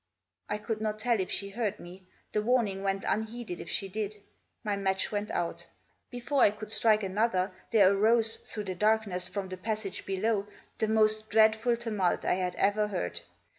I could not tell if she heard me. The warning went unheeded if she did. My match went out. Before I could strike another there arose, through the dark ness, from the passage below, the most dreadful tumult I had ever heard.